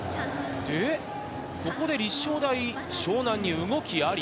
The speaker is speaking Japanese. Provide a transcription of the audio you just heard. ここで立正大淞南に動きあり。